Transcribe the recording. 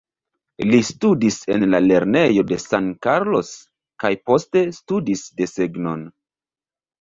Li studis en la lernejo de San Carlos kaj poste studis desegnon.